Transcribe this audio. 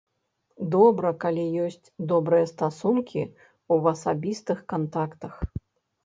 Добра, калі ёсць добрыя стасункі ў асабістых кантактах.